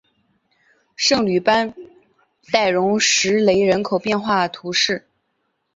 圣吕班代容什雷人口变化图示